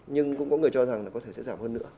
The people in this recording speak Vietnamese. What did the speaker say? nhưng cũng có người cho rằng là có thể sẽ giảm hơn nữa